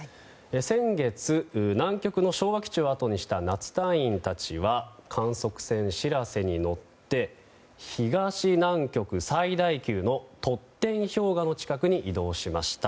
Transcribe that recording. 先月、南極の昭和基地をあとにした夏隊員たちは観測船「しらせ」に乗って東南極最大級のトッテン氷河の近くに移動しました。